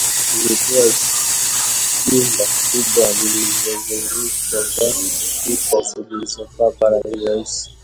Lilikuwa jumba kubwa lililozungukwa na kuta zilizopakwa rangi nyeusi